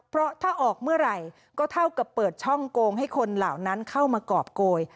เพราะถ้าออกเมื่อไหร่ก็เท่ากับเปิดช่องโกงให้คนเหล่านั้นเข้ามากรอบโกย